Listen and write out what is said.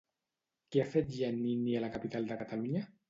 Què ha fet Giannini a la capital de Catalunya?